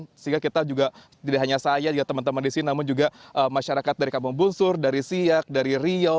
sehingga kita juga tidak hanya saya juga teman teman di sini namun juga masyarakat dari kampung bungsur dari siak dari riau